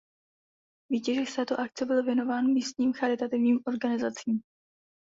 Výtěžek z této akce byl věnován místním charitativním organizacím.